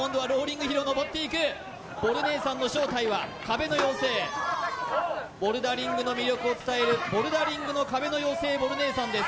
ボル姉さんの正体は壁の妖精ボルダリングの魅力を伝えるボルダリングの壁の妖精ボル姉さんです